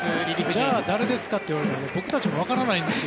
じゃあ誰ですかといわれたら僕たちも分からないんです。